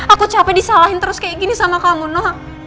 aku capek disalahin terus kayak gini sama kamu noang